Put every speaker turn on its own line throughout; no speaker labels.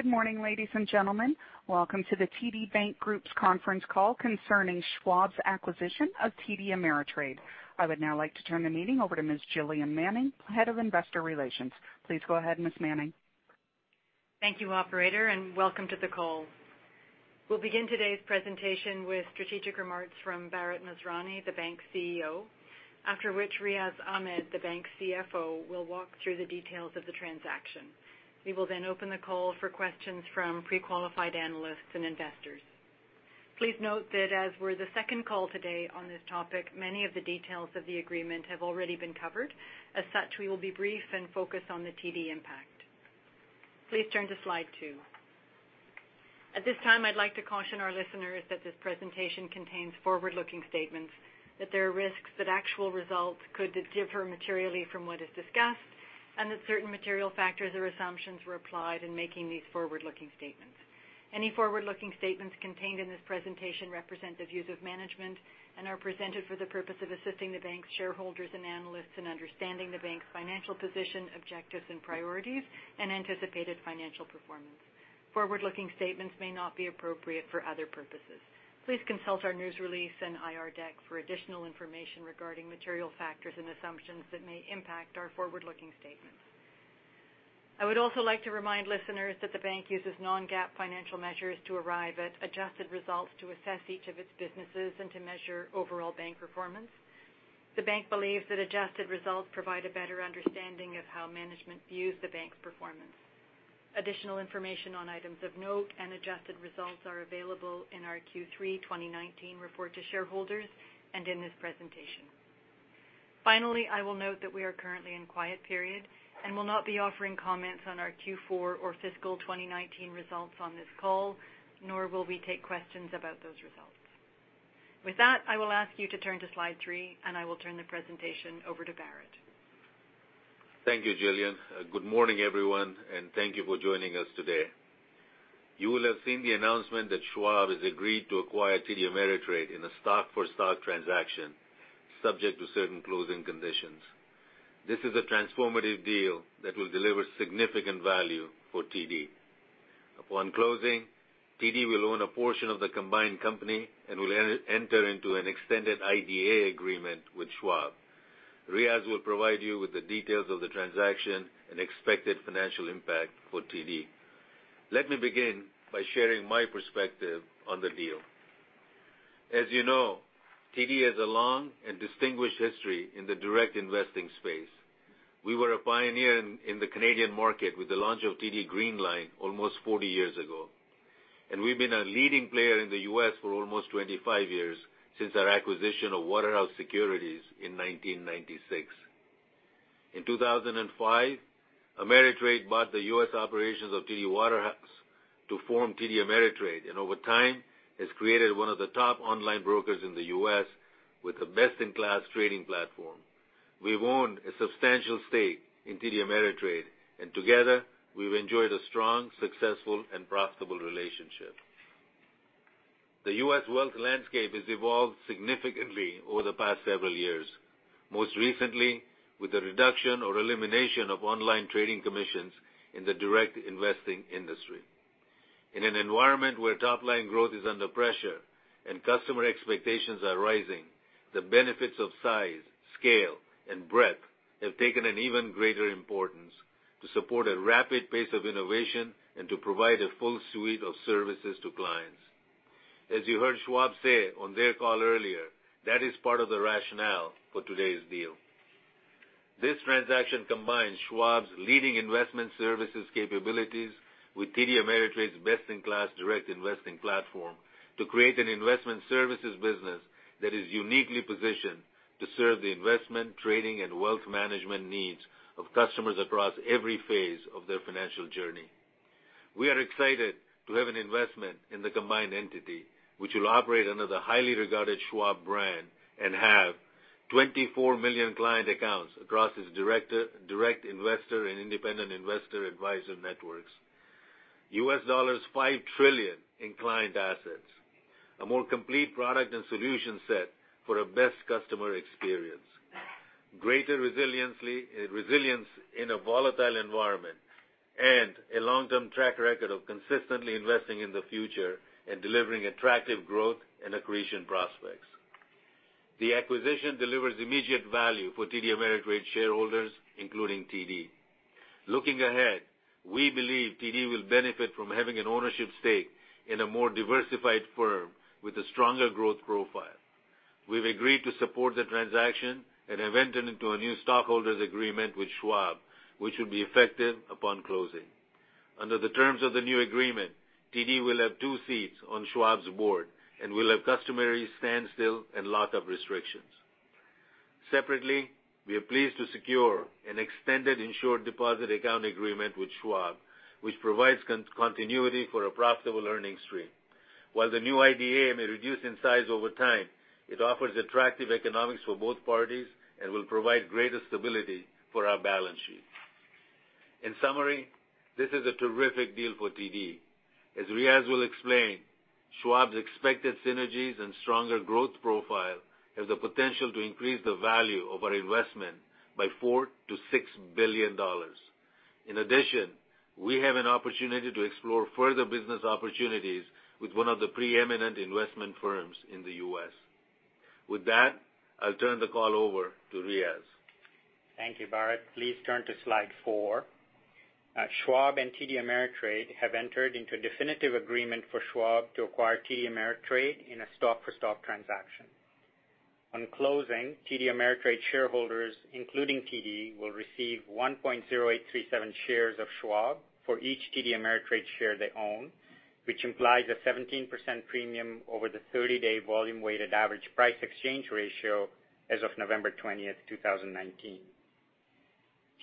Good morning, ladies and gentlemen. Welcome to the TD Bank Group's conference call concerning Schwab's acquisition of TD Ameritrade. I would now like to turn the meeting over to Ms. Gillian Manning, Head of Investor Relations. Please go ahead, Ms. Manning.
Thank you, Operator, and welcome to the call. We'll begin today's presentation with strategic remarks from Bharat Masrani, the bank's CEO, after which Riaz Ahmed, the bank's CFO, will walk through the details of the transaction. We will then open the call for questions from pre-qualified analysts and investors. Please note that as we're the second call today on this topic, many of the details of the agreement have already been covered. As such, we will be brief and focused on the TD impact. Please turn to Slide 2. At this time, I'd like to caution our listeners that this presentation contains forward-looking statements, that there are risks that actual results could differ materially from what is discussed, and that certain material factors or assumptions were applied in making these forward-looking statements. Any forward-looking statements contained in this presentation represent the views of management and are presented for the purpose of assisting the bank's shareholders and analysts in understanding the bank's financial position, objectives and priorities, and anticipated financial performance. Forward-looking statements may not be appropriate for other purposes. Please consult our news release and IR deck for additional information regarding material factors and assumptions that may impact our forward-looking statements. I would also like to remind listeners that the bank uses non-GAAP financial measures to arrive at adjusted results to assess each of its businesses and to measure overall bank performance. The bank believes that adjusted results provide a better understanding of how management views the bank's performance. Additional information on items of note and adjusted results are available in our Q3 2019 report to shareholders and in this presentation. Finally, I will note that we are currently in quiet period and will not be offering comments on our Q4 or fiscal 2019 results on this call, nor will we take questions about those results. With that, I will ask you to turn to Slide three, and I will turn the presentation over to Bharat.
Thank you, Gillian. Good morning, everyone, and thank you for joining us today. You will have seen the announcement that Schwab has agreed to acquire TD Ameritrade in a stock-for-stock transaction, subject to certain closing conditions. This is a transformative deal that will deliver significant value for TD. Upon closing, TD will own a portion of the combined company and will enter into an extended IDA agreement with Schwab. Riaz will provide you with the details of the transaction and expected financial impact for TD. Let me begin by sharing my perspective on the deal. As you know, TD has a long and distinguished history in the direct investing space. We were a pioneer in the Canadian market with the launch of TD Green Line almost 40 years ago. We've been a leading player in the U.S. for almost 25 years, since our acquisition of Waterhouse Securities in 1996. In 2005, Ameritrade bought the U.S. operations of TD Waterhouse to form TD Ameritrade, and over time, has created one of the top online brokers in the U.S. with a best-in-class trading platform. We've owned a substantial stake in TD Ameritrade, and together, we've enjoyed a strong, successful, and profitable relationship. The U.S. wealth landscape has evolved significantly over the past several years, most recently with the reduction or elimination of online trading commissions in the direct investing industry. In an environment where top-line growth is under pressure and customer expectations are rising, the benefits of size, scale, and breadth have taken an even greater importance to support a rapid pace of innovation and to provide a full suite of services to clients. As you heard Schwab say on their call earlier, that is part of the rationale for today's deal. This transaction combines Schwab's leading investment services capabilities with TD Ameritrade's best-in-class direct investing platform to create an investment services business that is uniquely positioned to serve the investment, trading, and wealth management needs of customers across every phase of their financial journey. We are excited to have an investment in the combined entity, which will operate under the highly regarded Schwab brand and have 24 million client accounts across its direct investor and independent investor advisor networks, $5 trillion in client assets, a more complete product and solution set for a best customer experience, greater resilience in a volatile environment, and a long-term track record of consistently investing in the future and delivering attractive growth and accretion prospects. The acquisition delivers immediate value for TD Ameritrade shareholders, including TD. Looking ahead, we believe TD will benefit from having an ownership stake in a more diversified firm with a stronger growth profile. We've agreed to support the transaction and have entered into a new shareholders agreement with Schwab, which will be effective upon closing. Under the terms of the new agreement, TD will have two seats on Schwab's board and will have customary standstill and lock-up restrictions. Separately, we are pleased to secure an extended Insured Deposit Account Agreement with Schwab, which provides continuity for a profitable earnings stream. While the new IDA may reduce in size over time, it offers attractive economics for both parties and will provide greater stability for our balance sheet. In summary, this is a terrific deal for TD. As Riaz will explain, Schwab's expected synergies and stronger growth profile have the potential to increase the value of our investment by $4 billion-$6 billion. In addition, we have an opportunity to explore further business opportunities with one of the pre-eminent investment firms in the U.S. With that, I'll turn the call over to Riaz.
Thank you, Bharat. Please turn to slide four. Schwab and TD Ameritrade have entered into a definitive agreement for Schwab to acquire TD Ameritrade in a stock-for-stock transaction. On closing, TD Ameritrade shareholders, including TD, will receive 1.0837 shares of Schwab for each TD Ameritrade share they own, which implies a 17% premium over the 30-day volume weighted average price exchange ratio as of November 20th, 2019.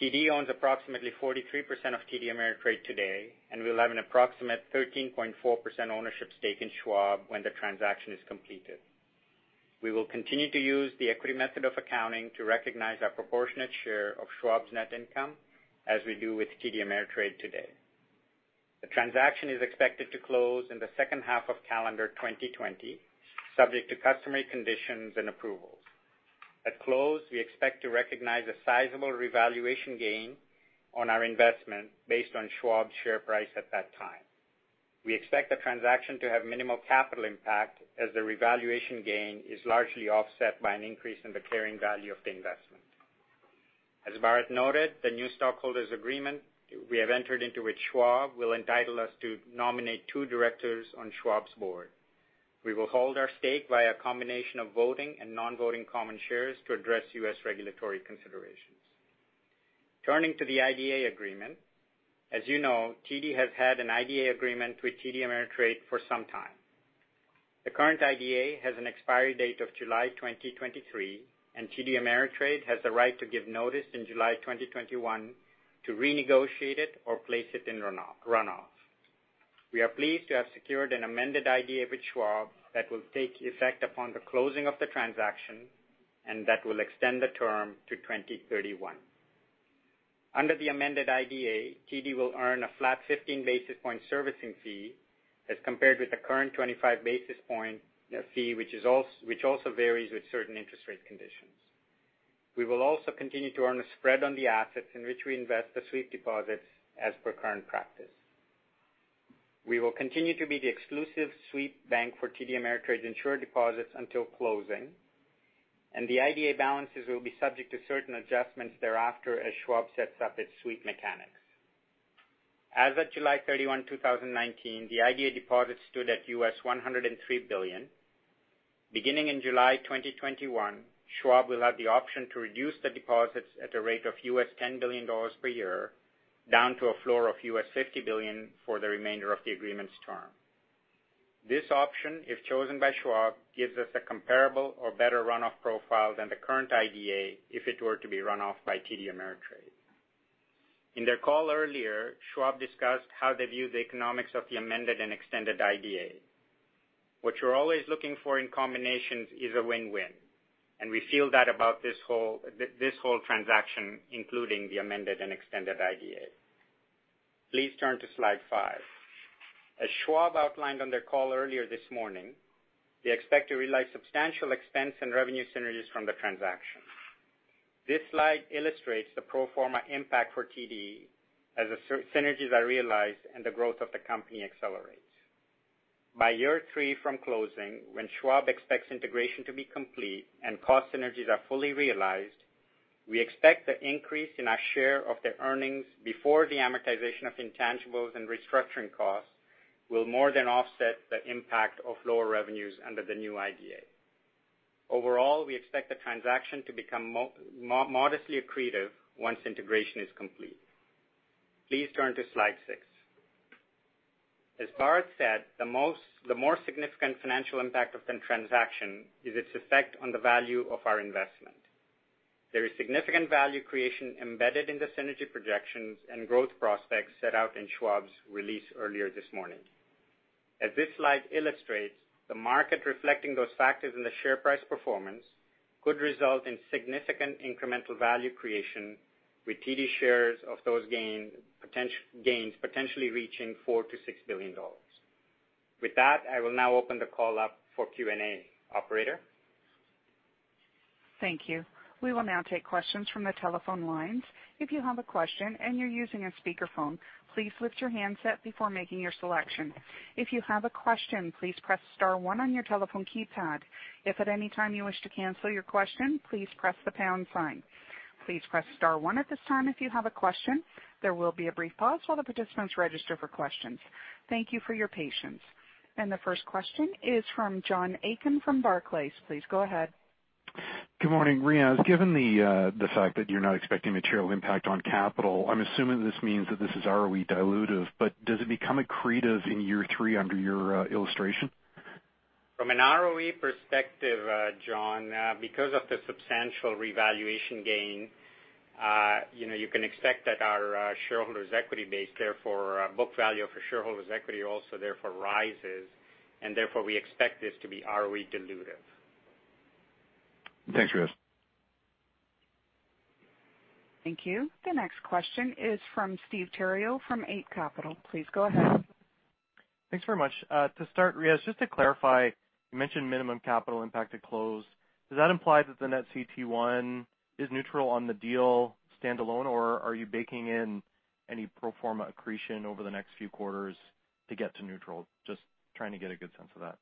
TD owns approximately 43% of TD Ameritrade today, and we'll have an approximate 13.4% ownership stake in Schwab when the transaction is completed. We will continue to use the equity method of accounting to recognize our proportionate share of Schwab's net income, as we do with TD Ameritrade today. The transaction is expected to close in the second half of calendar 2020, subject to customary conditions and approvals. At close, we expect to recognize a sizable revaluation gain on our investment based on Schwab's share price at that time. We expect the transaction to have minimal capital impact, as the revaluation gain is largely offset by an increase in the carrying value of the investment. As Bharat noted, the new stockholders agreement we have entered into with Schwab will entitle us to nominate two directors on Schwab's board. We will hold our stake via a combination of voting and non-voting common shares to address U.S. regulatory considerations. Turning to the IDA agreement. As you know, TD has had an IDA agreement with TD Ameritrade for some time. The current IDA has an expiry date of July 2023. TD Ameritrade has the right to give notice in July 2021 to renegotiate it or place it in runoff. We are pleased to have secured an amended IDA with Schwab that will take effect upon the closing of the transaction, that will extend the term to 2031. Under the amended IDA, TD will earn a flat 15 basis point servicing fee as compared with the current 25 basis point fee, which also varies with certain interest rate conditions. We will also continue to earn a spread on the assets in which we invest the sweep deposits as per current practice. We will continue to be the exclusive sweep bank for TD Ameritrade's insured deposits until closing, and the IDA balances will be subject to certain adjustments thereafter as Schwab sets up its sweep mechanics. As of July 31, 2019, the IDA deposit stood at U.S. $103 billion. Beginning in July 2021, Schwab will have the option to reduce the deposits at a rate of $10 billion per year, down to a floor of $50 billion for the remainder of the agreement's term. This option, if chosen by Schwab, gives us a comparable or better runoff profile than the current IDA if it were to be run off by TD Ameritrade. In their call earlier, Schwab discussed how they view the economics of the amended and extended IDA. What you're always looking for in combinations is a win-win, and we feel that about this whole transaction, including the amended and extended IDA. Please turn to slide five. As Schwab outlined on their call earlier this morning, they expect to realize substantial expense and revenue synergies from the transaction. This slide illustrates the pro forma impact for TD as the synergies are realized and the growth of the company accelerates. By year three from closing, when Schwab expects integration to be complete and cost synergies are fully realized, we expect the increase in our share of their earnings before the amortization of intangibles and restructuring costs will more than offset the impact of lower revenues under the new IDA. Overall, we expect the transaction to become modestly accretive once integration is complete. Please turn to slide six. As Bharat said, the more significant financial impact of the transaction is its effect on the value of our investment. There is significant value creation embedded in the synergy projections and growth prospects set out in Schwab's release earlier this morning. As this slide illustrates, the market reflecting those factors in the share price performance could result in significant incremental value creation, with TD shares of those gains potentially reaching $4 billion-$6 billion. With that, I will now open the call up for Q&A. Operator?
Thank you. We will now take questions from the telephone lines. If you have a question and you're using a speakerphone, please lift your handset before making your selection. If you have a question, please press star one on your telephone keypad. If at any time you wish to cancel your question, please press the pound sign. Please press star one at this time if you have a question. There will be a brief pause while the participants register for questions. Thank you for your patience. The first question is from John Aiken from Barclays. Please go ahead.
Good morning, Riaz. Given the fact that you're not expecting material impact on capital, I'm assuming this means that this is ROE dilutive. Does it become accretive in year three under your illustration?
From an ROE perspective, John, because of the substantial revaluation gain, you can expect that our shareholders' equity base, therefore our book value for shareholders' equity also therefore rises, and therefore we expect this to be ROE dilutive.
Thanks, Riaz.
Thank you. The next question is from Steve Theriault from Eight Capital. Please go ahead.
Thanks very much. To start, Riaz, just to clarify, you mentioned minimum capital impact at close. Does that imply that the net CET1 is neutral on the deal standalone, or are you baking in any pro forma accretion over the next few quarters to get to neutral? Just trying to get a good sense of that.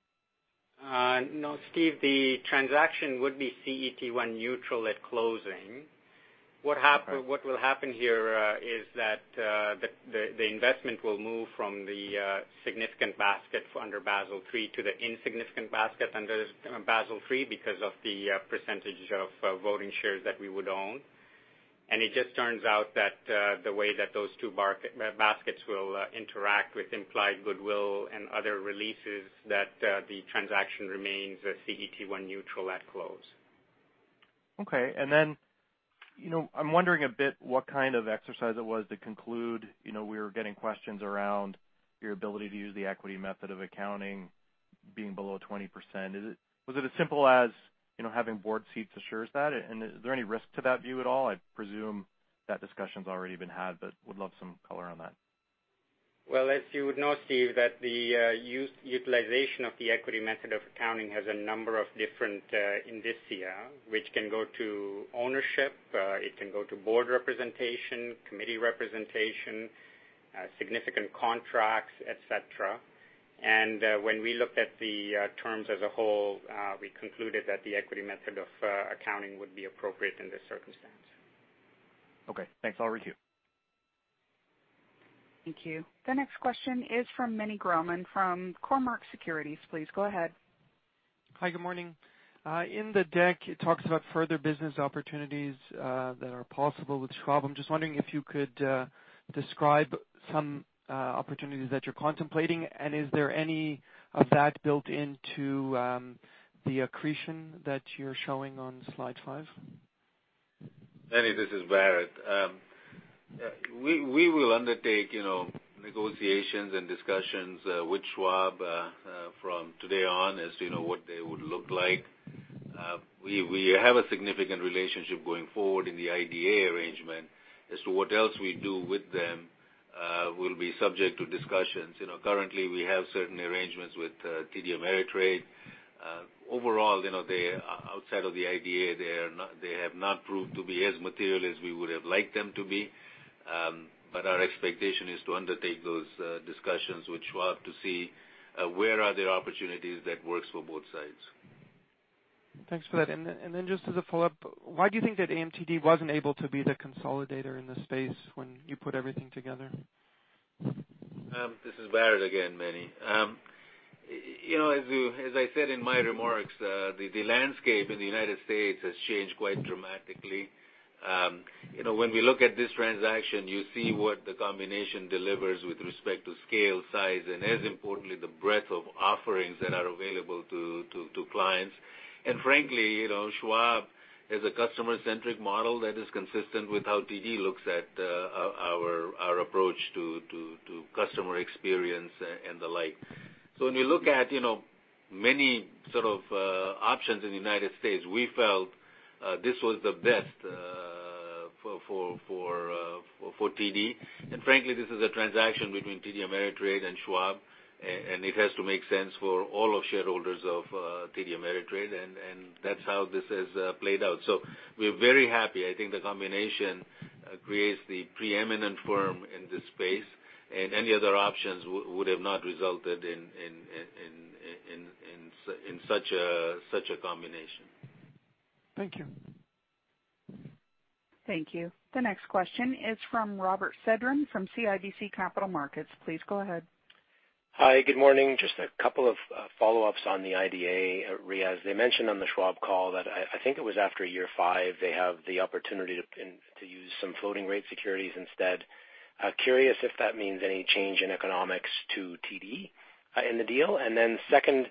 No, Steve, the transaction would be CET1 neutral at closing.
Okay.
What will happen here is that the investment will move from the significant basket under Basel III to the insignificant basket under Basel III because of the percentage of voting shares that we would own. It just turns out that the way that those two baskets will interact with implied goodwill and other releases, that the transaction remains CET1 neutral at close.
Okay. I'm wondering a bit what kind of exercise it was to conclude we were getting questions around your ability to use the equity method of accounting being below 20%. Was it as simple as having board seats assures that? Is there any risk to that view at all? I presume that discussion's already been had. Would love some color on that.
Well, as you would know, Steve, that the utilization of the equity method of accounting has a number of different indicia, which can go to ownership, it can go to board representation, committee representation, significant contracts, et cetera. When we looked at the terms as a whole, we concluded that the equity method of accounting would be appropriate in this circumstance.
Okay. Thanks. I'll recoup.
Thank you. The next question is from Meny Grauman from Cormark Securities. Please go ahead.
Hi, good morning. In the deck, it talks about further business opportunities that are possible with Schwab. I'm just wondering if you could describe some opportunities that you're contemplating, and is there any of that built into the accretion that you're showing on slide five?
Meny, this is Bharat. We will undertake negotiations and discussions with Schwab from today on as to what they would look like. We have a significant relationship going forward in the IDA arrangement. As to what else we do with them will be subject to discussions. Currently, we have certain arrangements with TD Ameritrade. Overall, outside of the IDA, they have not proved to be as material as we would have liked them to be. Our expectation is to undertake those discussions with Schwab to see where are there opportunities that works for both sides.
Thanks for that. Just as a follow-up, why do you think that AMTD wasn't able to be the consolidator in this space when you put everything together?
This is Bharat again, Meny. As I said in my remarks, the landscape in the U.S. has changed quite dramatically. When we look at this transaction, you see what the combination delivers with respect to scale, size, and as importantly, the breadth of offerings that are available to clients. Frankly, Schwab is a customer-centric model that is consistent with how TD looks at our approach to customer experience and the like. When you look at many sort of options in the U.S., we felt this was the best for TD. Frankly, this is a transaction between TD Ameritrade and Schwab, and it has to make sense for all of shareholders of TD Ameritrade, and that's how this has played out. We're very happy. I think the combination creates the preeminent firm in this space, and any other options would have not resulted in such a combination.
Thank you.
Thank you. The next question is from Robert Sedran from CIBC Capital Markets. Please go ahead.
Hi, good morning. Just a couple of follow-ups on the IDA, Riaz. They mentioned on the Schwab call that I think it was after year five, they have the opportunity to use some floating rate securities instead. Curious if that means any change in economics to TD in the deal. Then second,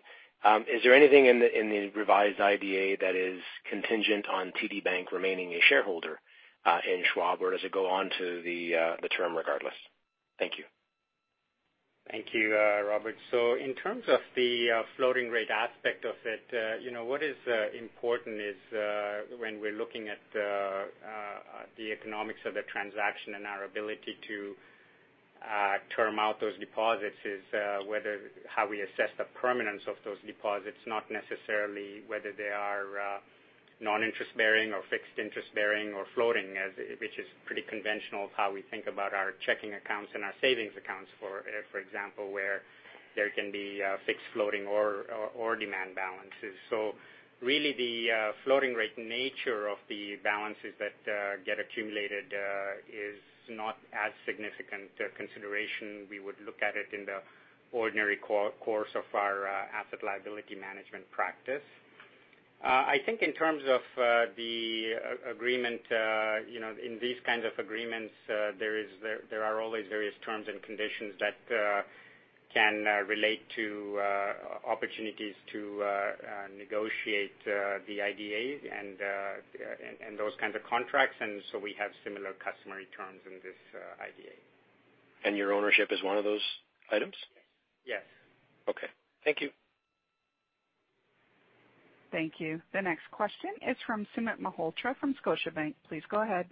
is there anything in the revised IDA that is contingent on TD Bank remaining a shareholder in Schwab, or does it go on to the term regardless? Thank you.
Thank you, Robert. In terms of the floating rate aspect of it, what is important is when we're looking at the economics of the transaction and our ability to term out those deposits is how we assess the permanence of those deposits, not necessarily whether they are non-interest bearing or fixed interest bearing or floating, which is pretty conventional of how we think about our checking accounts and our savings accounts, for example, where there can be fixed, floating or demand balances. Really the floating rate nature of the balances that get accumulated is not as significant a consideration. We would look at it in the ordinary course of our asset liability management practice. I think in terms of the agreement, in these kinds of agreements, there are always various terms and conditions that can relate to opportunities to negotiate the IDA, and those kinds of contracts, and so we have similar customary terms in this IDA.
Your ownership is one of those items?
Yes.
Okay. Thank you.
Thank you. The next question is from Sumit Malhotra from Scotiabank. Please go ahead.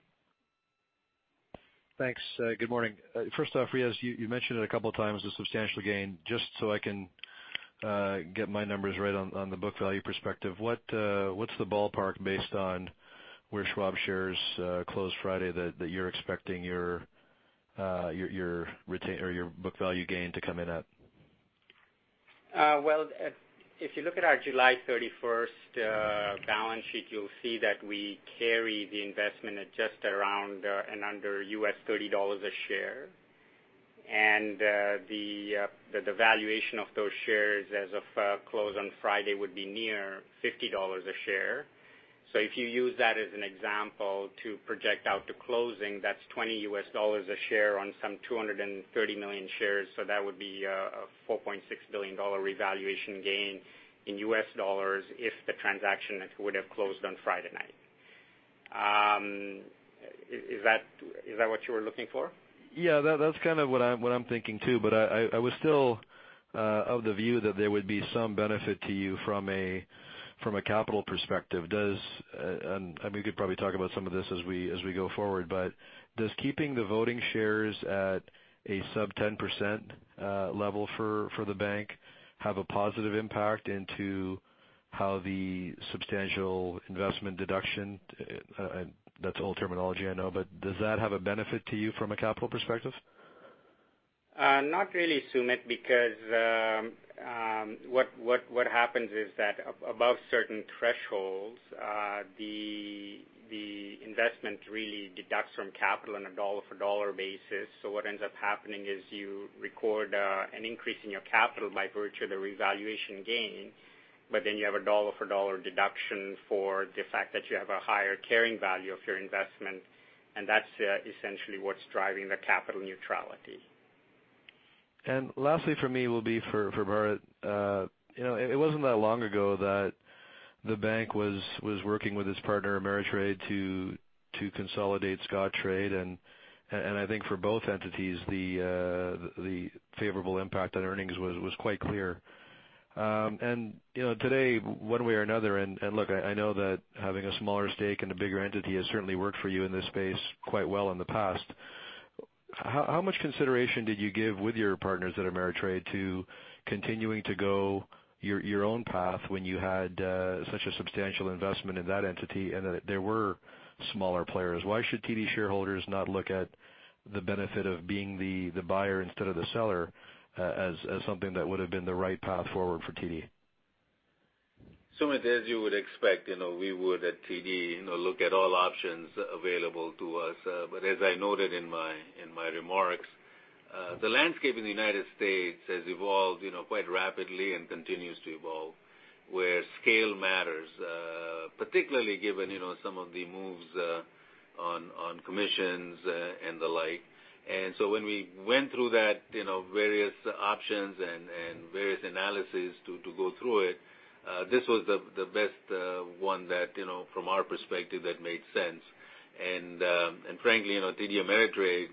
Thanks. Good morning. First off, Riaz, you mentioned it a couple of times, the substantial gain. Just so I can get my numbers right on the book value perspective, what's the ballpark based on where Schwab shares closed Friday that you're expecting your book value gain to come in at?
Well, if you look at our July 31st balance sheet, you'll see that we carry the investment at just around and under $30 a share. The valuation of those shares as of close on Friday would be near $50 a share. If you use that as an example to project out to closing, that's $20 a share on some 230 million shares. That would be a $4.6 billion revaluation gain if the transaction would have closed on Friday night. Is that what you were looking for?
Yeah, that's what I'm thinking, too, but I was still of the view that there would be some benefit to you from a capital perspective. We could probably talk about some of this as we go forward, but does keeping the voting shares at a sub-10% level for the bank have a positive impact into how the substantial investment deduction, that's old terminology, I know, but does that have a benefit to you from a capital perspective?
Not really, Sumit, because what happens is that above certain thresholds, the investment really deducts from capital on a dollar for dollar basis. What ends up happening is you record an increase in your capital by virtue of the revaluation gain, but then you have a dollar for dollar deduction for the fact that you have a higher carrying value of your investment, and that's essentially what's driving the capital neutrality.
Lastly from me will be for Bharat. It wasn't that long ago that the bank was working with its partner, Ameritrade, to consolidate Scottrade, and I think for both entities, the favorable impact on earnings was quite clear. Today, one way or another, I know that having a smaller stake in a bigger entity has certainly worked for you in this space quite well in the past. How much consideration did you give with your partners at Ameritrade to continuing to go your own path when you had such a substantial investment in that entity and that there were smaller players? Why should TD shareholders not look at the benefit of being the buyer instead of the seller as something that would have been the right path forward for TD?
Sumit, as you would expect, we would at TD look at all options available to us. As I noted in my remarks, the landscape in the U.S. has evolved quite rapidly and continues to evolve, where scale matters, particularly given some of the moves on commissions and the like. When we went through that, various options and various analysis to go through it, this was the best one that, from our perspective, that made sense. Frankly, TD Ameritrade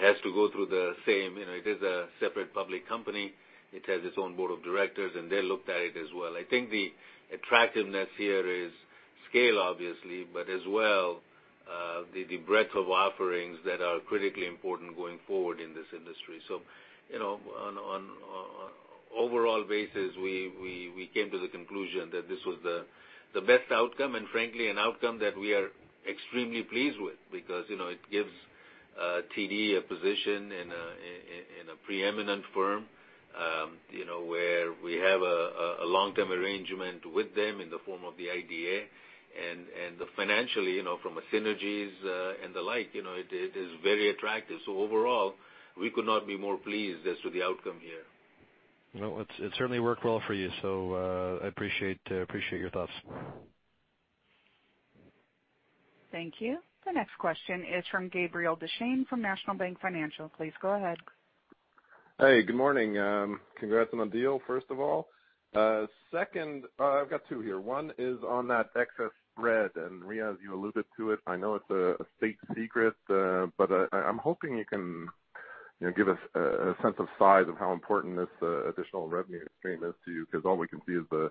has to go through the same. It is a separate public company. It has its own board of directors, and they looked at it as well. I think the attractiveness here is scale, obviously, but as well, the breadth of offerings that are critically important going forward in this industry. On an overall basis, we came to the conclusion that this was the best outcome, and frankly, an outcome that we are extremely pleased with because it gives TD a position in a preeminent firm where we have a long-term arrangement with them in the form of the IDA. Financially, from a synergies and the like, it is very attractive. Overall, we could not be more pleased as to the outcome here.
Well, it certainly worked well for you, so I appreciate your thoughts.
Thank you. The next question is from Gabriel Dechaine from National Bank Financial. Please go ahead.
Hey, good morning. Congrats on the deal, first of all. Second, I've got two here. One is on that excess spread, and Riaz, you alluded to it. I know it's a state secret, but I'm hoping you can give us a sense of size of how important this additional revenue stream is to you, because all we can see is the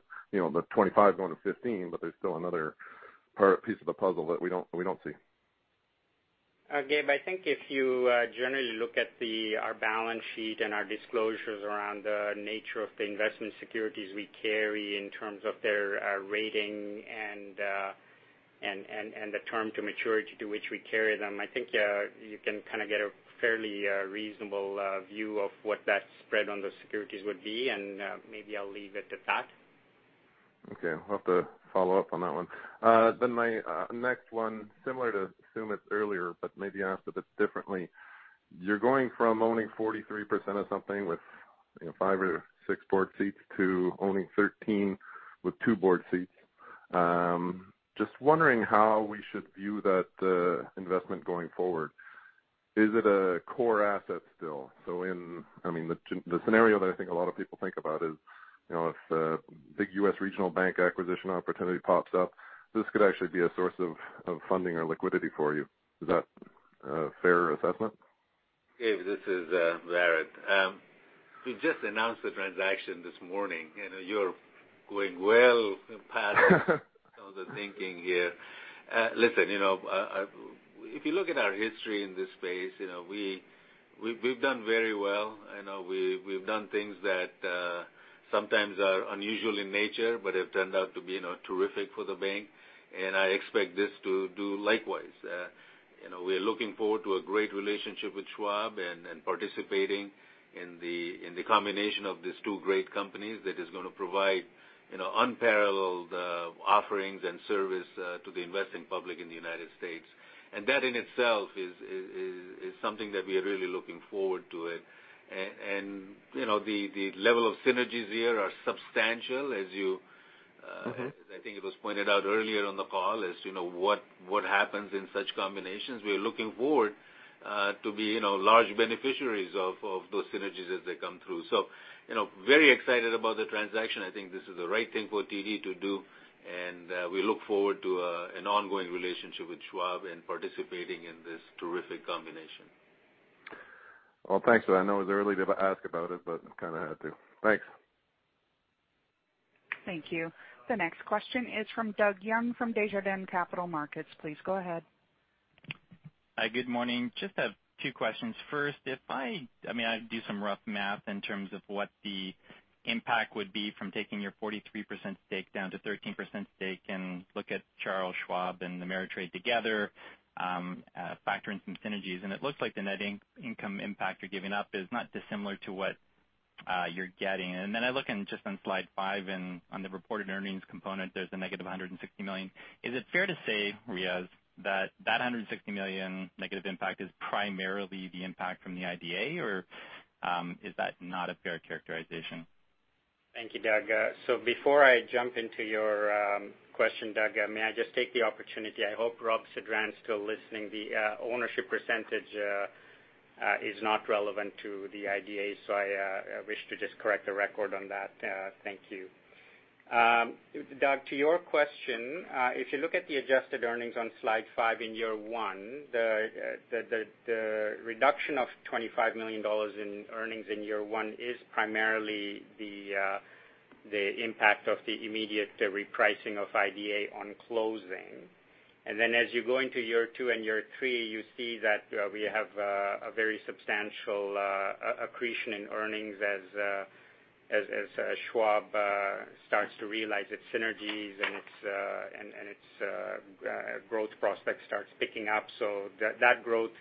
25 going to 15, but there's still another piece of the puzzle that we don't see.
Gabe, I think if you generally look at our balance sheet and our disclosures around the nature of the investment securities we carry in terms of their rating and the term to maturity to which we carry them, I think you can get a fairly reasonable view of what that spread on those securities would be, and maybe I'll leave it at that.
Okay. We'll have to follow up on that one. My next one, similar to Sumit earlier, but maybe asked a bit differently. You're going from owning 43% of something with five or six board seats to owning 13% with two board seats. Just wondering how we should view that investment going forward. Is it a core asset still? The scenario that I think a lot of people think about is, if a big U.S. regional bank acquisition opportunity pops up, this could actually be a source of funding or liquidity for you. Is that a fair assessment?
Gab, this is Bharat. We just announced the transaction this morning. I know you're going well past some of the thinking here. Listen, if you look at our history in this space, we've done very well. I know we've done things that sometimes are unusual in nature, but have turned out to be terrific for the bank. I expect this to do likewise. We're looking forward to a great relationship with Schwab and participating in the combination of these two great companies that is going to provide unparalleled offerings and service to the investing public in the United States. That in itself is something that we are really looking forward to it. The level of synergies here are substantial, as you. as I think it was pointed out earlier on the call, as what happens in such combinations. We are looking forward to be large beneficiaries of those synergies as they come through. Very excited about the transaction. I think this is the right thing for TD to do, and we look forward to an ongoing relationship with Schwab and participating in this terrific combination.
Thanks. I know it's early to ask about it, but I kind of had to. Thanks.
Thank you. The next question is from Doug Young from Desjardins Capital Markets. Please go ahead.
Hi, good morning. Just have two questions. First, I do some rough math in terms of what the impact would be from taking your 43% stake down to 13% stake and look at Charles Schwab and Ameritrade together, factor in some synergies, and it looks like the net income impact you're giving up is not dissimilar to what you're getting. Then I look just on slide five and on the reported earnings component, there's a negative $160 million. Is it fair to say, Riaz, that $160 million negative impact is primarily the impact from the IDA, or is that not a fair characterization?
Thank you, Doug. Before I jump into your question, Doug, may I just take the opportunity, I hope Robert Sedran's still listening. The ownership percentage is not relevant to the IDA. I wish to just correct the record on that. Thank you. Doug, to your question, if you look at the adjusted earnings on slide five in year one, the reduction of $25 million in earnings in year one is primarily the impact of the immediate repricing of IDA on closing. As you go into year two and year three, you see that we have a very substantial accretion in earnings as Schwab starts to realize its synergies and its growth prospect starts picking up. That growth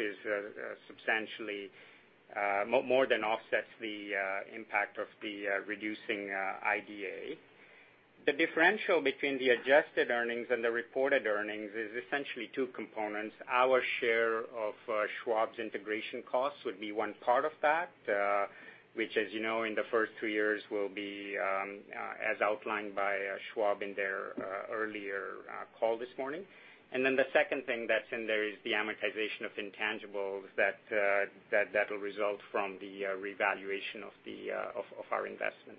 more than offsets the impact of the reducing IDA. The differential between the adjusted earnings and the reported earnings is essentially two components. Our share of Schwab's integration costs would be one part of that which as you know, in the first two years will be as outlined by Schwab in their earlier call this morning. The second thing that's in there is the amortization of intangibles that will result from the revaluation of our investment.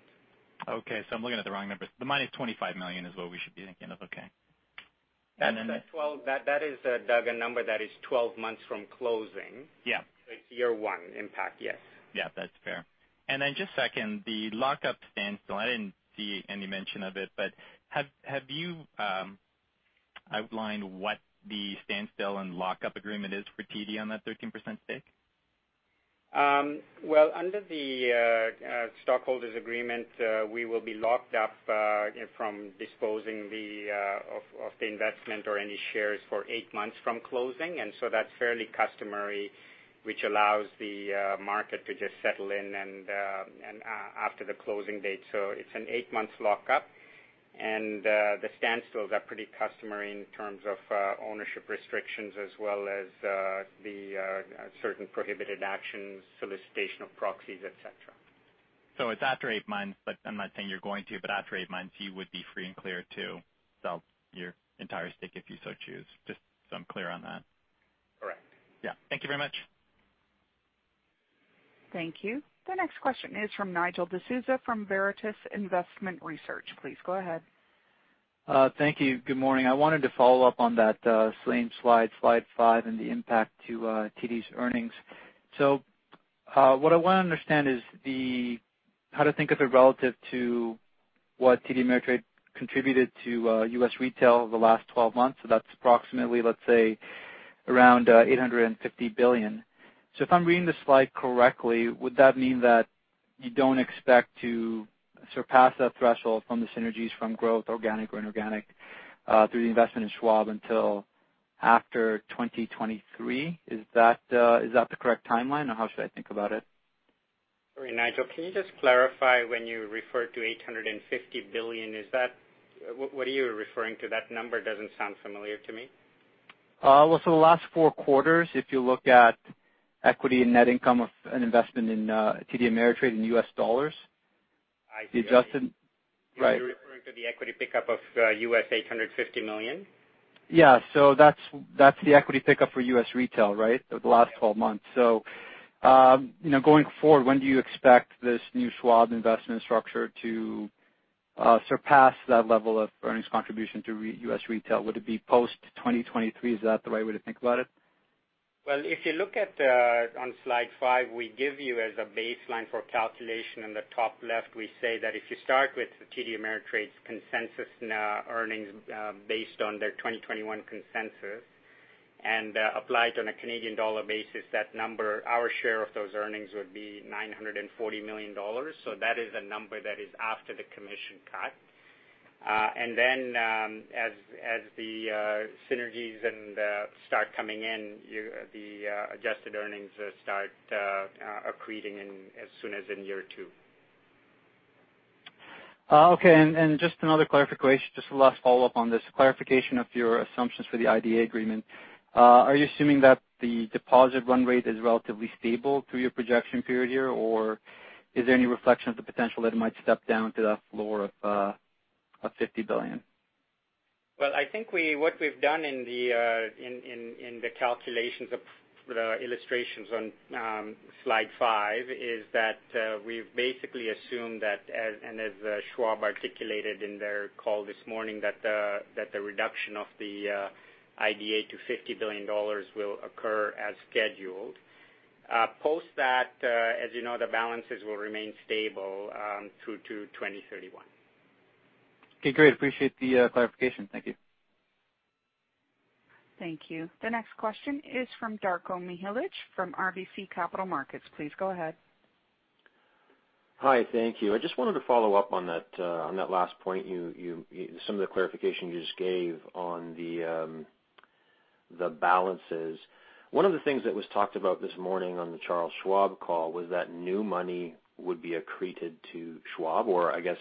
Okay. I'm looking at the wrong numbers. The minus $25 million is what we should be thinking of. Okay.
That is, Doug, a number that is 12 months from closing.
Yeah.
It's year one impact. Yes.
Yeah, that's fair. Just second, the lockup standstill, I didn't see any mention of it, but have you outlined what the standstill and lockup agreement is for TD on that 13% stake?
Well, under the stockholders' agreement, we will be locked up from disposing of the investment or any shares for eight months from closing. That's fairly customary, which allows the market to just settle in after the closing date. It's an eight months lockup. The standstills are pretty customary in terms of ownership restrictions as well as the certain prohibited actions, solicitation of proxies, et cetera.
It's after eight months, but I'm not saying you're going to, but after eight months, you would be free and clear to sell your entire stake if you so choose. Just so I'm clear on that.
Correct.
Yeah. Thank you very much.
Thank you. The next question is from Nigel D'Souza from Veritas Investment Research. Please go ahead.
Thank you. Good morning. I wanted to follow up on that same slide five, and the impact to TD's earnings. What I want to understand is how to think of it relative to what TD Ameritrade contributed to U.S. Retail over the last 12 months. That's approximately, let's say, around $850 billion. If I'm reading the slide correctly, would that mean that you don't expect to surpass that threshold from the synergies from growth, organic or inorganic, through the investment in Schwab until after 2023? Is that the correct timeline, or how should I think about it?
Sorry, Nigel, can you just clarify when you refer to $850 billion? What are you referring to? That number doesn't sound familiar to me.
Well, the last four quarters, if you look at equity and net income of an investment in TD Ameritrade in US dollars.
I see.
Right.
Are you referring to the equity pickup of U.S. $850 million?
Yeah. That's the equity pickup for U.S. Retail, right? The last 12 months. Going forward, when do you expect this new Schwab investment structure to surpass that level of earnings contribution to U.S. Retail. Would it be post 2023? Is that the right way to think about it?
Well, if you look on slide five, we give you as a baseline for calculation in the top left, we say that if you start with TD Ameritrade's consensus earnings based on their 2021 consensus and apply it on a Canadian dollar basis, our share of those earnings would be 940 million dollars. That is a number that is after the commission cut. Then as the synergies start coming in, the adjusted earnings start accreting as soon as in year two.
Okay, just another clarification, just a last follow-up on this. Clarification of your assumptions for the IDA agreement, are you assuming that the deposit run rate is relatively stable through your projection period here, or is there any reflection of the potential that it might step down to the floor of $50 billion?
I think what we've done in the calculations of the illustrations on slide five is that we've basically assumed that, and as Schwab articulated in their call this morning, that the reduction of the IDA to $50 billion will occur as scheduled. Post that, as you know, the balances will remain stable through to 2031.
Okay, great. Appreciate the clarification. Thank you.
Thank you. The next question is from Darko Mihelic from RBC Capital Markets. Please go ahead.
Hi, thank you. I just wanted to follow up on that last point, some of the clarification you just gave on the balances. One of the things that was talked about this morning on the Charles Schwab call was that new money would be accreted to Schwab, or I guess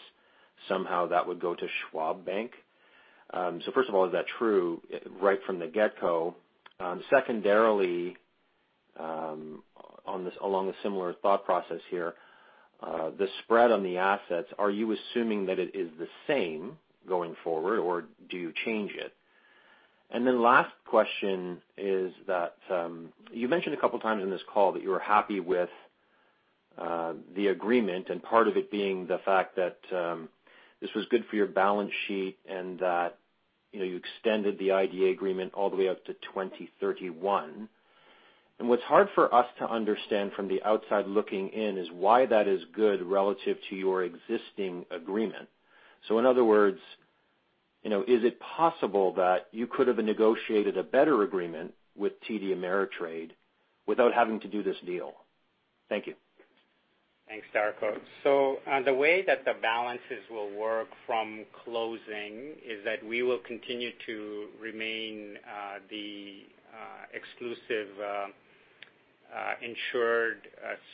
somehow that would go to Schwab Bank. First of all, is that true right from the get-go? Secondarily, along a similar thought process here, the spread on the assets, are you assuming that it is the same going forward, or do you change it? Last question is that you mentioned a couple of times in this call that you were happy with the agreement, and part of it being the fact that this was good for your balance sheet and that you extended the IDA agreement all the way up to 2031. What's hard for us to understand from the outside looking in is why that is good relative to your existing agreement. In other words, is it possible that you could have negotiated a better agreement with TD Ameritrade without having to do this deal? Thank you.
Thanks, Darko. The way that the balances will work from closing is that we will continue to remain the exclusive insured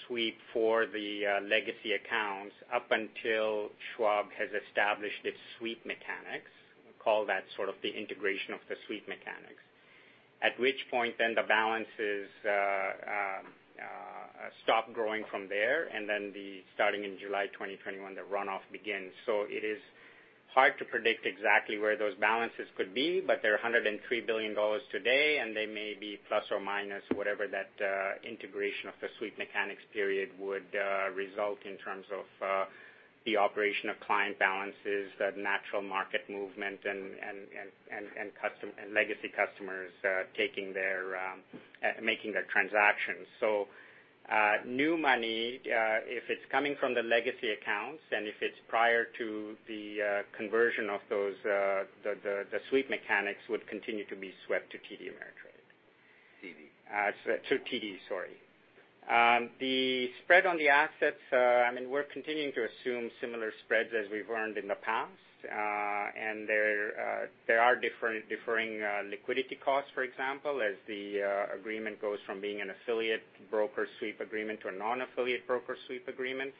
sweep for the legacy accounts up until Schwab has established its sweep mechanics. We call that sort of the integration of the sweep mechanics. At which point the balances stop growing from there, starting in July 2021, the runoff begins. It is hard to predict exactly where those balances could be, but they're $103 billion today, and they may be plus or minus whatever that integration of the sweep mechanics period would result in terms of the operation of client balances, the natural market movement, and legacy customers making their transactions. New money, if it's coming from the legacy accounts and if it's prior to the conversion of the sweep mechanics would continue to be swept to TD Ameritrade.
TD.
To TD, sorry. The spread on the assets, we're continuing to assume similar spreads as we've earned in the past. There are differing liquidity costs, for example, as the agreement goes from being an affiliate broker sweep agreement to a non-affiliate broker sweep agreement.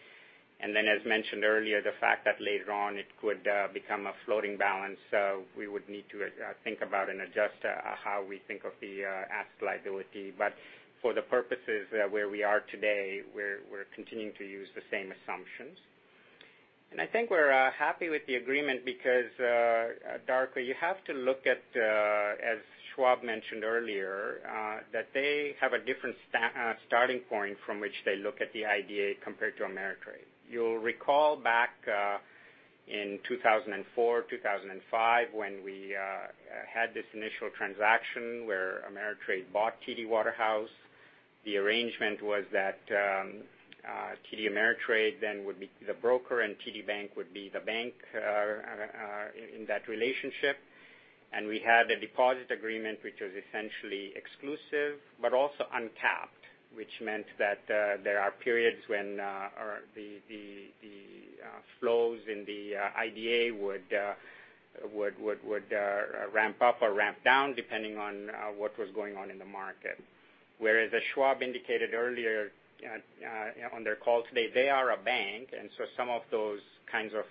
Then as mentioned earlier, the fact that later on it could become a floating balance, we would need to think about and adjust how we think of the asset liability. For the purposes where we are today, we're continuing to use the same assumptions. I think we're happy with the agreement because, Darko, you have to look at, as Schwab mentioned earlier, that they have a different starting point from which they look at the IDA compared to Ameritrade. You'll recall back in 2004, 2005, when we had this initial transaction where Ameritrade bought TD Waterhouse, the arrangement was that TD Ameritrade then would be the broker, and TD Bank would be the bank in that relationship. We had a deposit agreement which was essentially exclusive but also uncapped, which meant that there are periods when the flows in the IDA would ramp up or ramp down, depending on what was going on in the market. As Schwab indicated earlier on their call today, they are a bank, some of those kinds of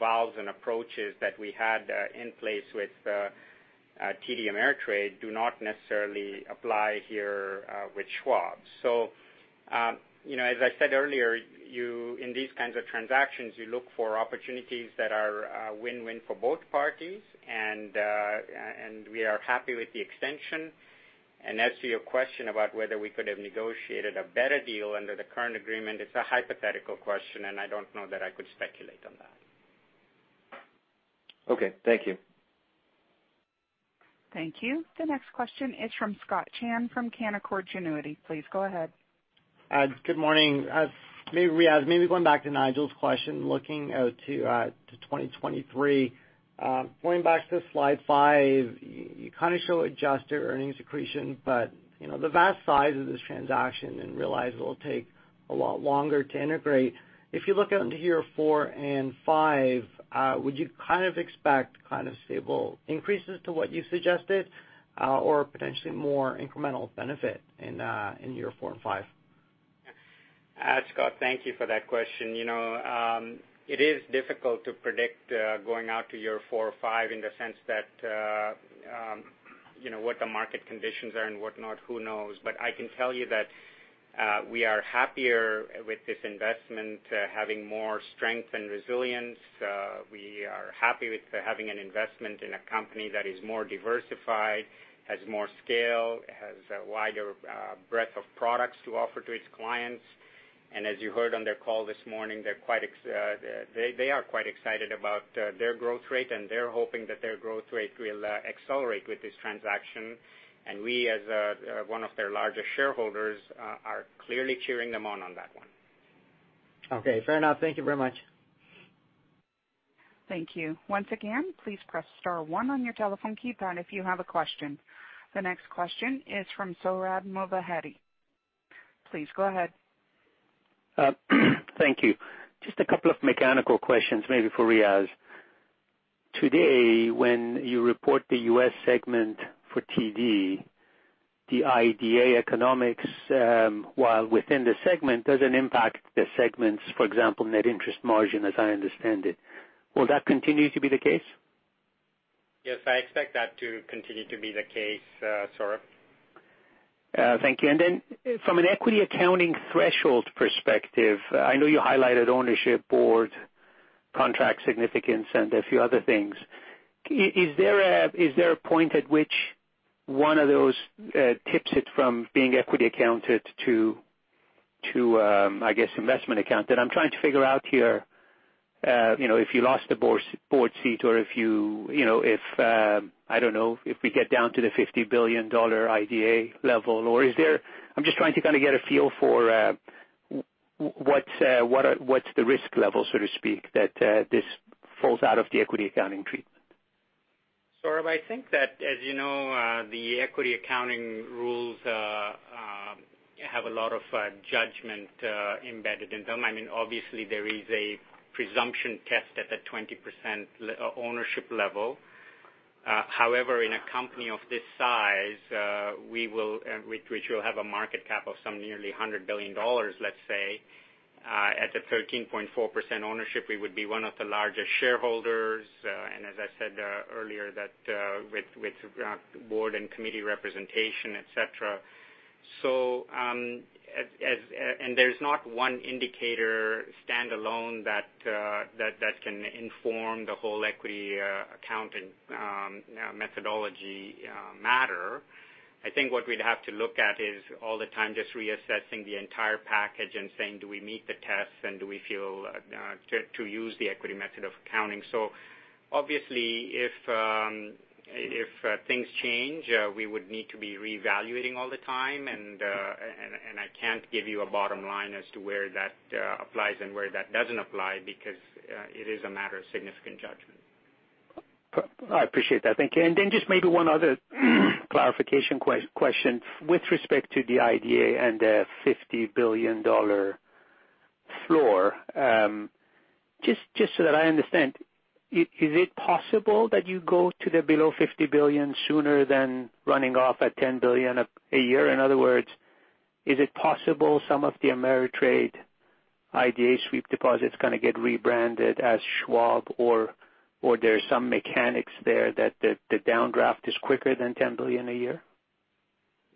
valves and approaches that we had in place with TD Ameritrade do not necessarily apply here with Schwab. As I said earlier, in these kinds of transactions, you look for opportunities that are win-win for both parties, and we are happy with the extension. As to your question about whether we could have negotiated a better deal under the current agreement, it's a hypothetical question, and I don't know that I could speculate on that.
Okay. Thank you.
Thank you. The next question is from Scott Chan from Canaccord Genuity. Please go ahead.
Good morning. Maybe, Riaz, maybe going back to Nigel's question, looking out to 2023. Going back to slide five, you show adjusted earnings accretion, but the vast size of this transaction and realize it'll take a lot longer to integrate. If you look out into year four and five, would you expect stable increases to what you suggested or potentially more incremental benefit in year four and five?
Scott, thank you for that question. It is difficult to predict going out to year four or five in the sense that what the market conditions are and whatnot, who knows? I can tell you that we are happier with this investment having more strength and resilience. We are happy with having an investment in a company that is more diversified, has more scale, has a wider breadth of products to offer to its clients. As you heard on their call this morning, they are quite excited about their growth rate, and they're hoping that their growth rate will accelerate with this transaction. We, as one of their largest shareholders, are clearly cheering them on that one.
Okay, fair enough. Thank you very much.
Thank you. Once again, please press star one on your telephone keypad if you have a question. The next question is from Sohrab Movahedi. Please go ahead.
Thank you. Just a couple of mechanical questions, maybe for Riaz. Today, when you report the U.S. segment for TD, the IDA economics, while within the segment, doesn't impact the segments, for example, net interest margin, as I understand it. Will that continue to be the case?
Yes, I expect that to continue to be the case, Sohrab.
Thank you. From an equity accounting threshold perspective, I know you highlighted ownership board contract significance and a few other things. Is there a point at which one of those tips it from being equity accounted to, I guess, investment account? I'm trying to figure out here if you lost a board seat or if, I don't know, we get down to the $50 billion IDA level. I'm just trying to get a feel for what's the risk level, so to speak, that this falls out of the equity accounting treatment.
Sohrab, I think that, as you know, the equity accounting rules have a lot of judgment embedded in them. Obviously, there is a presumption test at the 20% ownership level. In a company of this size, which will have a market cap of some nearly $100 billion, let's say at the 13.4% ownership, we would be one of the largest shareholders, and as I said earlier, that with board and committee representation, et cetera. There's not one indicator standalone that can inform the whole equity accounting methodology matter. I think what we'd have to look at is all the time just reassessing the entire package and saying, do we meet the tests and do we feel to use the equity method of accounting? Obviously, if things change, we would need to be reevaluating all the time, and I can't give you a bottom line as to where that applies and where that doesn't apply because it is a matter of significant judgment.
I appreciate that. Thank you. Then just maybe one other clarification question with respect to the IDA and the $50 billion floor. Just so that I understand, is it possible that you go to the below $50 billion sooner than running off at $10 billion a year? In other words, is it possible some of the Ameritrade IDA sweep deposits get rebranded as Schwab, or there's some mechanics there that the downdraft is quicker than $10 billion a year?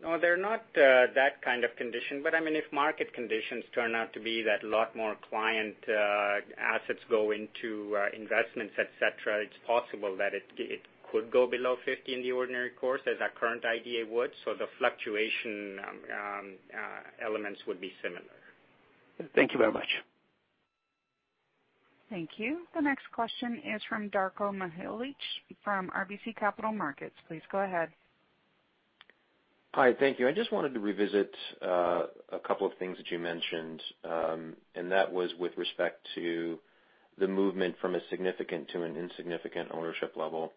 No, they're not that kind of condition. If market conditions turn out to be that a lot more client assets go into investments, et cetera, it's possible that it could go below 50 in the ordinary course as our current IDA would. The fluctuation elements would be similar.
Thank you very much.
Thank you. The next question is from Darko Mihelic from RBC Capital Markets. Please go ahead.
Hi. Thank you. I just wanted to revisit a couple of things that you mentioned, and that was with respect to the movement from a significant to an insignificant ownership level.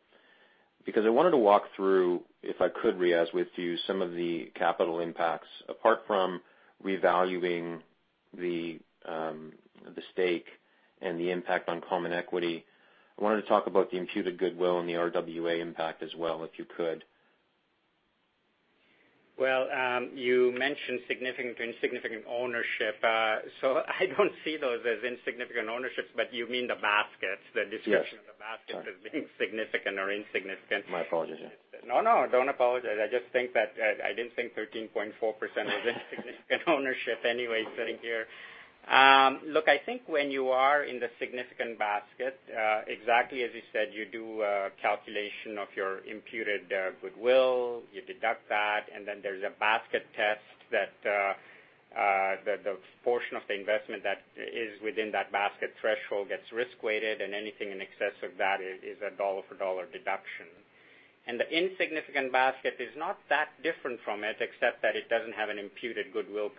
Because I wanted to walk through, if I could, Riaz, with you some of the capital impacts. Apart from revaluing the stake and the impact on common equity, I wanted to talk about the imputed goodwill and the RWA impact as well, if you could.
You mentioned significant and insignificant ownership. I don't see those as insignificant ownerships, but you mean the baskets, the description?
Yes
of the basket as being significant or insignificant.
My apologies, yeah.
No, no, don't apologize. I just think that I didn't think 13.4% was insignificant ownership anyway, sitting here. Look, I think when you are in the significant basket, exactly as you said, you do a calculation of your imputed goodwill, you deduct that, and then there's a basket test that the portion of the investment that is within that basket threshold gets risk-weighted, and anything in excess of that is a dollar-for-dollar deduction. The insignificant basket is not that different from it, except that it doesn't have an imputed goodwill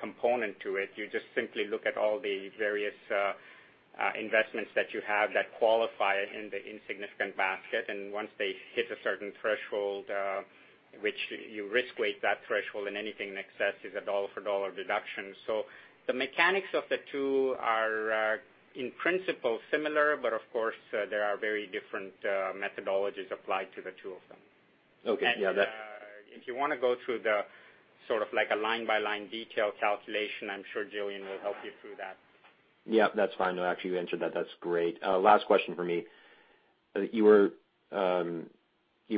component to it. You just simply look at all the various investments that you have that qualify in the insignificant basket, and once they hit a certain threshold, which you risk weight that threshold, and anything in excess is a dollar-for-dollar deduction. The mechanics of the two are in principle similar, but of course, there are very different methodologies applied to the two of them.
Okay. Yeah, that-
If you want to go through the sort of like a line-by-line detail calculation, I'm sure Gillian will help you through that.
Yeah. That's fine. Actually, you answered that. That's great. Last question for me. You were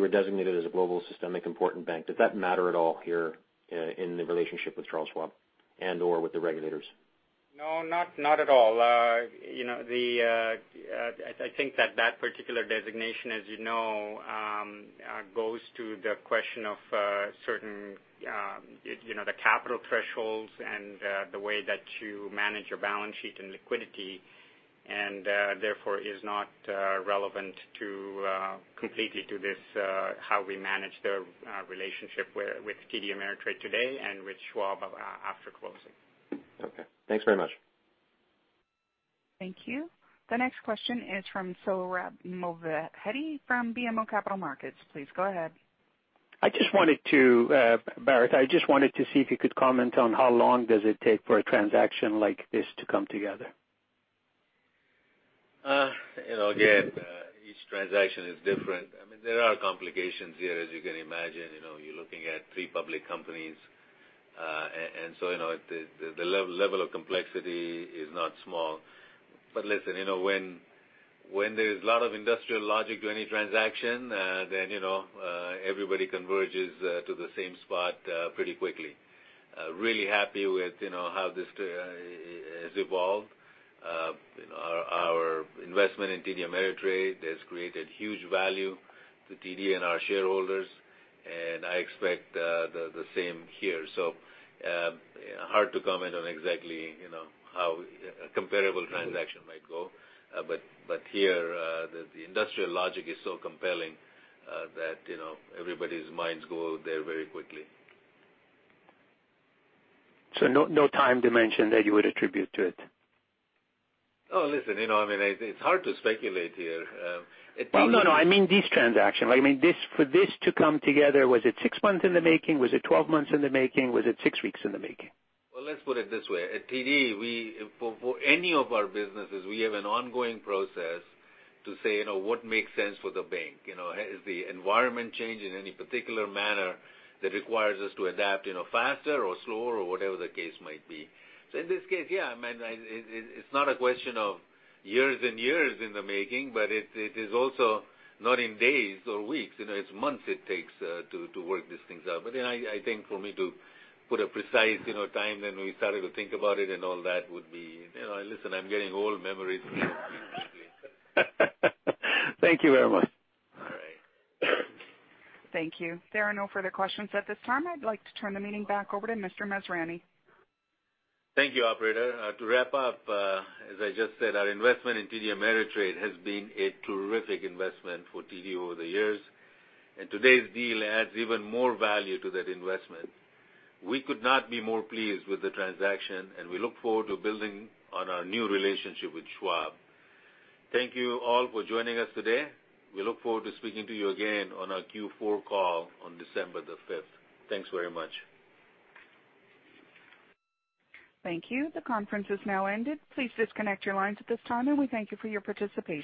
designated as a global systemically important bank. Does that matter at all here in the relationship with Charles Schwab and/or with the regulators?
No, not at all. I think that that particular designation, as you know, goes to the question of certain, the capital thresholds and the way that you manage your balance sheet and liquidity, and therefore, is not relevant completely to this, how we manage the relationship with TD Ameritrade today and with Schwab after closing.
Okay. Thanks very much.
Thank you. The next question is from Sohrab Movahedi from BMO Capital Markets. Please go ahead.
Bharat, I just wanted to see if you could comment on how long does it take for a transaction like this to come together?
Each transaction is different. There are complications here, as you can imagine. You are looking at three public companies, the level of complexity is not small. Listen, when there's a lot of industrial logic to any transaction, everybody converges to the same spot pretty quickly. Really happy with how this has evolved. Our investment in TD Ameritrade has created huge value to TD and our shareholders, and I expect the same here. Hard to comment on exactly how a comparable transaction might go. Here, the industrial logic is so compelling that everybody's minds go there very quickly.
No time dimension that you would attribute to it?
Oh, listen, it's hard to speculate here.
No, I mean this transaction. I mean for this to come together, was it six months in the making? Was it 12 months in the making? Was it six weeks in the making?
Let's put it this way. At TD, for any of our businesses, we have an ongoing process to say what makes sense for the bank. Has the environment changed in any particular manner that requires us to adapt faster or slower, or whatever the case might be? In this case, yeah, it's not a question of years and years in the making, but it is also not in days or weeks. It's months it takes to work these things out. I think for me to put a precise time when we started to think about it and all that would be, Listen, I'm getting old. Memories leave me quickly.
Thank you very much.
All right.
Thank you. There are no further questions at this time. I'd like to turn the meeting back over to Mr. Masrani.
Thank you, operator. To wrap up, as I just said, our investment in TD Ameritrade has been a terrific investment for TD over the years. Today's deal adds even more value to that investment. We could not be more pleased with the transaction, and we look forward to building on our new relationship with Schwab. Thank you all for joining us today. We look forward to speaking to you again on our Q4 call on December the 5th. Thanks very much.
Thank you. The conference has now ended. Please disconnect your lines at this time, and we thank you for your participation.